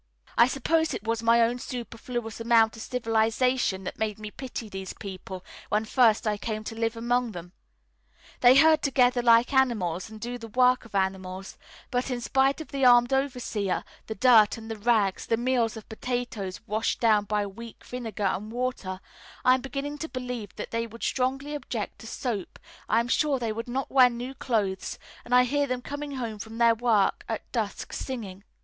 I suppose it was my own superfluous amount of civilisation that made me pity these people when first I came to live among them. They herd together like animals and do the work of animals; but in spite of the armed overseer, the dirt and the rags, the meals of potatoes washed down by weak vinegar and water, I am beginning to believe that they would strongly object to soap, I am sure they would not wear new clothes, and I hear them coming home from their work at dusk singing.